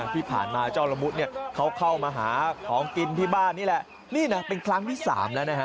ที่ผ่านมาเจ้าละมุดเนี่ยเขาเข้ามาหาของกินที่บ้านนี่แหละนี่นะเป็นครั้งที่๓แล้วนะฮะ